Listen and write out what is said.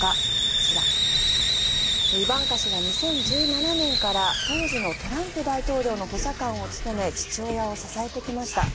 こちらイバンカ氏は２０１７年から当時のトランプ前大統領の補佐官を務め父親を支えてきました。